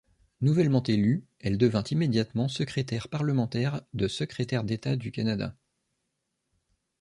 Nouvellement élue, elle devint immédiatement secrétaire parlementaire de secrétaire d'État de Canada.